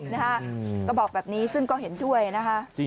นะฮะก็บอกแบบนี้ซึ่งก็เห็นด้วยนะคะ